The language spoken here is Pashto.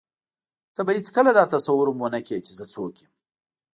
ته به هېڅکله دا تصور هم ونه کړې چې زه څوک یم.